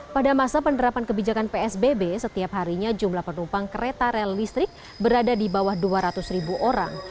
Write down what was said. pada masa penerapan kebijakan psbb setiap harinya jumlah penumpang kereta rel listrik berada di bawah dua ratus ribu orang